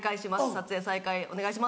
撮影再開お願いしますって